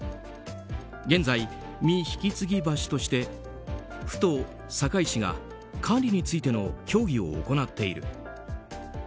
現在、未引き継ぎ橋として府と堺市が管理についての協議を行っている。